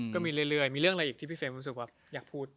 ก็มีเรื่อยมีเรื่องอะไรอีกที่พี่เฟรมรู้สึกว่าอยากพูด